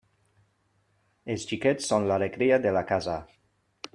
Els xiquets són l'alegria de la casa.